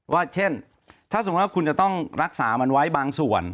ว่าเช่นถ้าสมมุติว่าคุณจะต้องรักษามันไว้บางส่วน